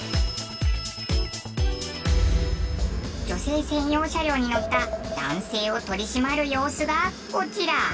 女性専用車両に乗った男性を取り締まる様子がこちら。